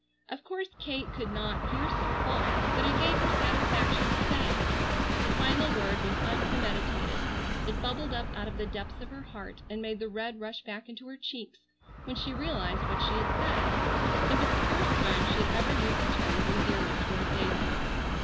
Of course Kate could not hear so far, but it gave her satisfaction to say it. The final word was unpremeditated. It bubbled up out of the depths of her heart and made the red rush back into her cheeks when she realized what she had said. It was the first time she had ever used a term of endearment toward David.